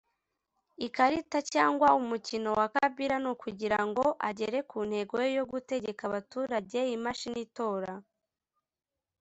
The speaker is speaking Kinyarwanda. Ikarita cyangwa umukino wa Kabila ni kugira ngo agere ku ntego ye yo gutegeka abaturage imashini itora